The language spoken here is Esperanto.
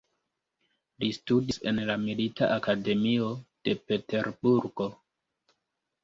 Li studis en la milita akademio de Peterburgo.